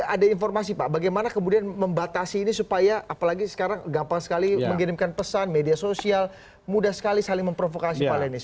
ada informasi pak bagaimana kemudian membatasi ini supaya apalagi sekarang gampang sekali mengirimkan pesan media sosial mudah sekali saling memprovokasi pak lenis